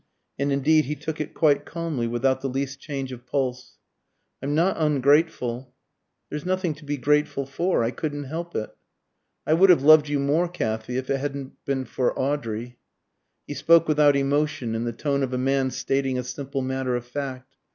And indeed he took it quite calmly, without the least change of pulse. "I'm not ungrateful " "There's nothing to be grateful for. I couldn't help it." "I would have loved you more, Kathy, if it hadn't been for Audrey." He spoke without emotion, in the tone of a man stating a simple matter of fact.